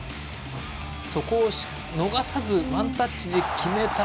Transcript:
そこを逃さずワンタッチで決めた。